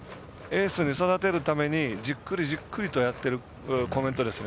エースに育てようと思ってじっくりじっくりとやってるコメントですよね。